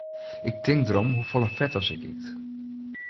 Ik tink derom hoefolle fet as ik yt.